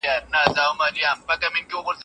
نن بادشاهي ده سبا خیر غواړي مینه